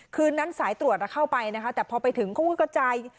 คืนนั้นสายตรวจเข้าไปนะคะแต่พอไปถึงเขาก็กระจาย